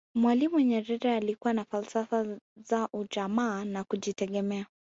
mwalimu nyerere alikuwa na falsafa za ujamaa na kujitegemea